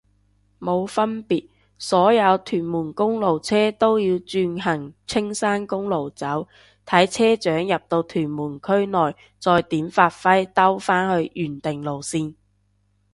冇分別，所有屯門公路車都要轉行青山公路走，睇車長入到屯門區內再點發揮兜返去原定路線